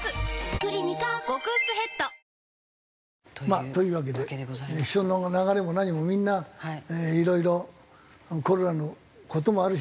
まあというわけで人の流れも何もみんないろいろコロナの事もあるし。